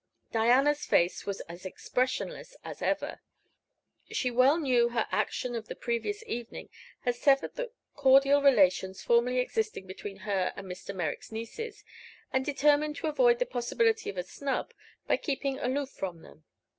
Diana's face was as expressionless as ever. She well knew her action of the previous evening had severed the cordial relations formerly existing between her and Mr. Merrick's nieces, and determined to avoid the possibility of a snub by keeping aloof from them.